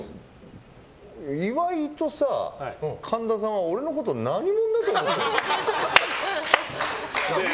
岩井とさ、神田さんは俺のこと何者だと思ってるの。